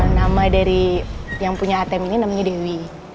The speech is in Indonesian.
nama dari yang punya atm ini namanya dewi